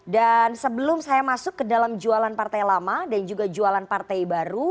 dan sebelum saya masuk ke dalam jualan partai lama dan juga jualan partai baru